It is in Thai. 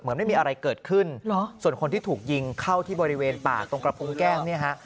ไม่มีอะไรเกิดขึ้นส่วนคนที่ถูกยิงเข้าที่บริเวณปากตรงกระโปรงแก้มเนี่ยฮะ